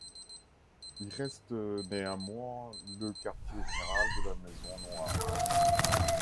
Il reste néanmoins le quartier général de la maison Noire.